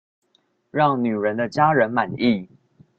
讓女人的家人滿意